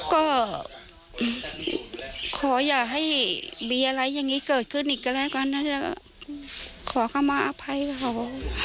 ก็ขออย่าให้มีอะไรอย่างงี้เกิดขึ้นอีกแล้วกันนะเดี๋ยวขอข้ามาอภัยเขา